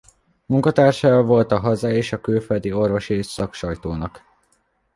Munkatársa volt a hazai és külföldi orvosi szaksajtónak.